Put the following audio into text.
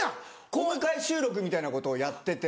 公開収録みたいなことをやってて。